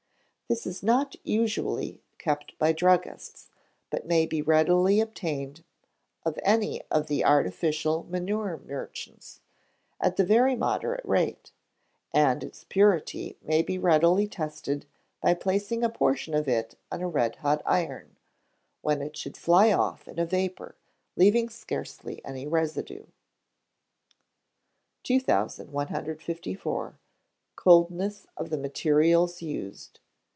This is not usually kept by druggists, but may be readily obtained of any of the artificial manure merchants, at a very moderate rate; and its purity may be readily tested by placing a portion of it on a red hot iron, when it should fly off in a vapour, leaving scarcely any residue. 2154. Coldness of the Materials used.